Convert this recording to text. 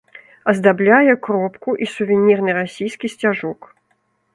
Аздабляе кропку і сувенірны расійскі сцяжок.